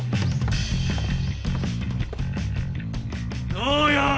どうよ？